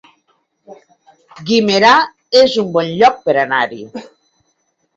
Guimerà es un bon lloc per anar-hi